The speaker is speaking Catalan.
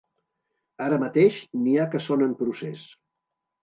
Ara mateix n’hi ha que són en procés.